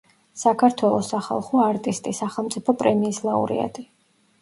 საქართველოს სახალხო არტისტი, სახელმწიფო პრემიის ლაურეატი.